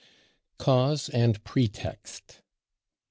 CAUSE AND PRETEXT.